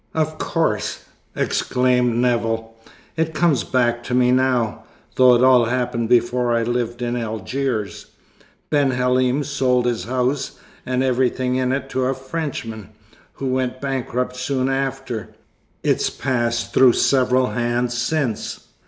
"Of course!" exclaimed Nevill. "It comes back to me now, though it all happened before I lived in Algiers. Ben Halim sold his house and everything in it to a Frenchman who went bankrupt soon after. It's passed through several hands since.